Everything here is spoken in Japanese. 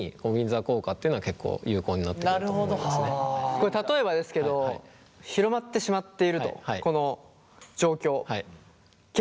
これ例えばですけど広まってしまっているとこの状況。